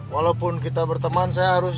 walaupun kita berteman saya harus